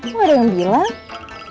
gak ada yang bilang